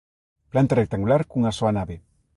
Planta rectangular cunha soa nave.